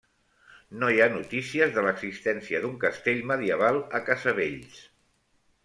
No hi ha notícies de l'existència d'un castell medieval a Casavells.